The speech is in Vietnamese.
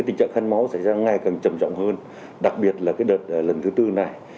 tình trạng khăn máu xảy ra ngày càng trầm trọng hơn đặc biệt là đợt lần thứ tư này